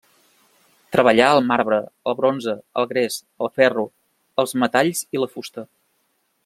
Treballà el marbre, el bronze, el gres, el ferro, els metalls i la fusta.